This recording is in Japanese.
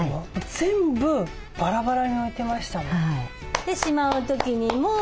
全部バラバラに置いてましたもん。